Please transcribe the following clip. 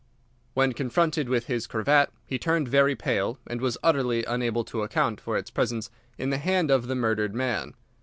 When confronted with his cravat, he turned very pale, and was utterly unable to account for its presence in the hand of the murdered man.